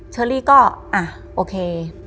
เชอรี่ก็อ่ะโอเค